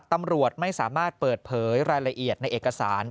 ตำรวจไม่สามารถเปิดเผยรายละเอียดในเอกสาร